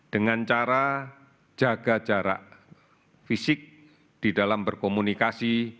dengan cara jaga jarak fisik di dalam berkomunikasi